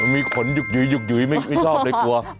มีขนหยุกไม่ชอบเลยกลัว